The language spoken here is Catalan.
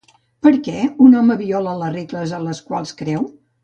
Per què un home viola les regles a les quals creu?